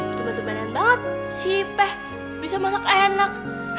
tumpen tumpenan banget si peh bisa masak enak